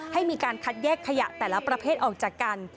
ให้มีการคัดแยกขยะแต่ละประเภทออกจากกัน